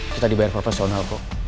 kita dibayar per personal kok